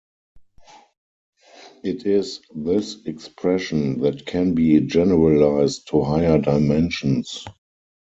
It is this expression that can be generalised to higher dimensions.